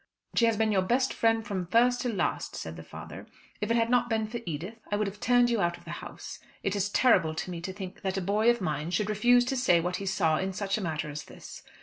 "She has been your best friend from first to last," said the father. "If it had not been for Edith I would have turned you out of the house. It is terrible to me to think that a boy of mine should refuse to say what he saw in such a matter as this.